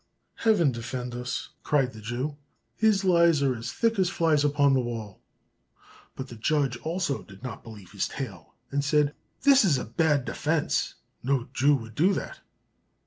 "Heaven defend us!" cried the Jew, "his lies are as thick as flies upon the wall." But the judge also did not believe his tale, and said, "This is a bad defence, no Jew would do that."